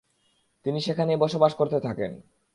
তিনি সেখানেই বসবাস করতে থাকেন।